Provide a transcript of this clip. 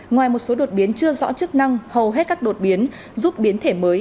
ngoài một số đột biến chưa rõ chức năng hầu hết các đột biến giúp biến thể mới